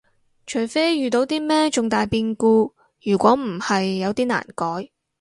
除非遇到啲咩重大變故，如果唔係有啲難改